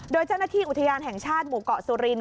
โดยเจ้าหน้าที่อุทยานแห่งชาติหมู่เกาะสุรินท